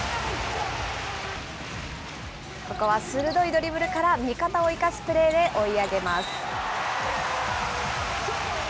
ここは鋭いドリブルから味方を生かすプレーで、追い上げます。